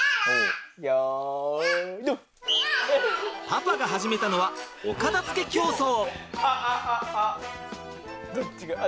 パパが始めたのはお片づけ競争。